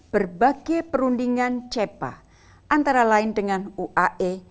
berbagai perundingan cepa antara lain dengan uae